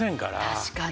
確かに。